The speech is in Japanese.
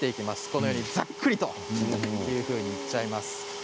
このようにざっくりといっちゃいます。